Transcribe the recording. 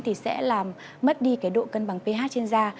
thì sẽ làm mất đi cái độ cân bằng ph trên da